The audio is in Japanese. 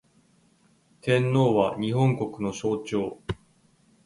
天皇は、日本国の象徴